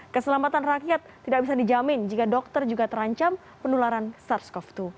keselamatan rakyat tidak bisa dijamin jika dokter juga terancam penularan sars cov dua